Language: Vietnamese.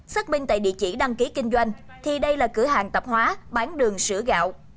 xác minh tại địa chỉ đăng ký kinh doanh thì đây là cửa hàng tạp hóa bán đường sữa gạo